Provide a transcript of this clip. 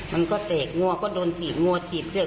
มันก็แตกงัวก็โดนถีบงัวจีบด้วย